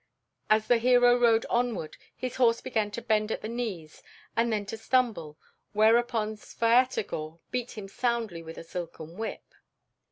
As the hero rode onward his horse began to bend at the knees and then to stumble, whereupon Svyatogor beat him soundly with a silken whip.